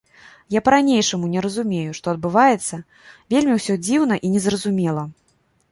Я па-ранейшаму не разумею, што адбываецца, вельмі ўсё дзіўна і незразумела.